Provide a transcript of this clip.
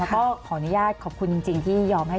แล้วก็ขออนุญาตขอบคุณจริงที่ยอมให้